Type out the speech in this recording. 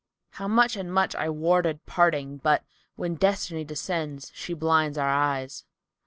How much and much I warded parting, but * 'When Destiny descends she blinds our eyes?'"